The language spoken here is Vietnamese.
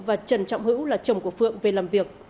và trần trọng hữu là chồng của phượng về làm việc